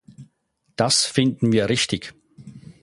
Das finden wir richtig!